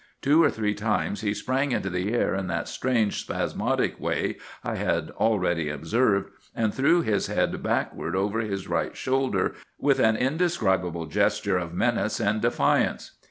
Two or three times he sprang into the air in that strange, spasmodic way I had already observed, and threw his head backward over his right shoulder with an indescribable gesture of menace and defiance.